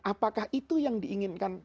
apakah itu yang diinginkan